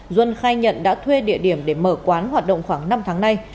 duân khai nhận đã thuê địa điểm để mở quán hoạt động khoảng năm tháng nay